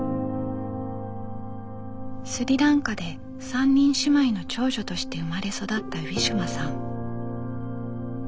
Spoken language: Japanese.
スリランカで３人姉妹の長女として生まれ育ったウィシュマさん。